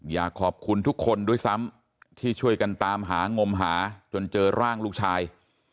อยากขอบคุณทุกคนด้วยซ้ำที่ช่วยกันตามหางมหาจนเจอร่างลูกชาย